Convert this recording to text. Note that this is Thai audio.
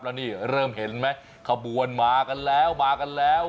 แล้วนี่เริ่มเห็นไหมขบวนมากันแล้วมากันแล้ว